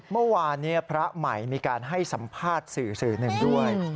เมื่อวานนี้พระใหม่มีการให้สัมภาษณ์สื่อสื่อหนึ่งด้วย